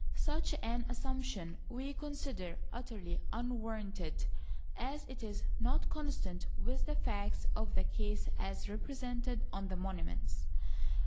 Such an assumption we consider utterly unwarranted, as it is not consonant with the facts of the case as represented on the monuments.